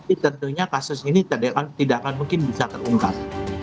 ini tentunya kasus ini tidak akan mungkin bisa terungkap